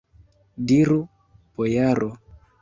Diru, bojaro!